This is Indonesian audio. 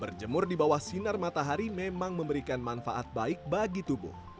berjemur di bawah sinar matahari memang memberikan manfaat baik bagi tubuh